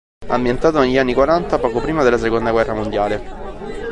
Ambientato negli anni quaranta poco prima della seconda guerra mondiale.